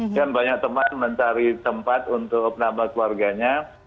dan banyak teman mencari tempat untuk menambah keluarganya